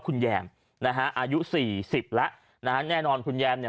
คุณแยมนะฮะอายุสี่สิบแล้วนะฮะแน่นอนคุณแยมเนี่ย